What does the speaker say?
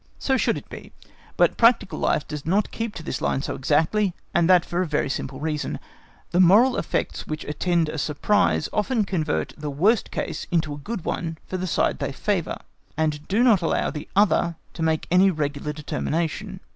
So should it be, but practical life does not keep to this line so exactly, and that for a very simple reason. The moral effects which attend a surprise often convert the worst case into a good one for the side they favour, and do not allow the other to make any regular determination.